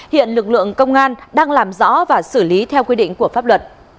hiện lực lượng công an đang làm rõ và xử lý theo quy định của pháp luật